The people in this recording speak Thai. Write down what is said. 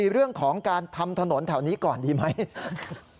เรื่องของการทำถนนแถวนี้ก่อนดีไหม